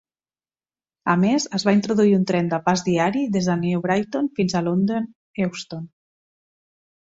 A més, es va introduir un tren de pas diari des de New Brighton fins a London Euston.